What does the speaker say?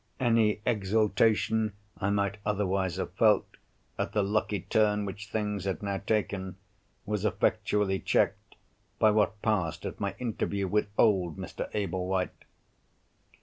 Any exultation I might otherwise have felt at the lucky turn which things had now taken, was effectually checked by what passed at my interview with old Mr. Ablewhite.